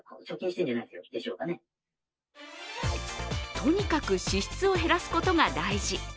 とにかく支出を減らすことが大事。